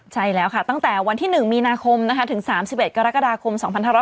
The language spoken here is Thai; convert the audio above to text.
ใช่แล้วค่ะตั้งแต่วันที่๑มีนาคมถึง๓๑กรกฎาคม๒๕๖๒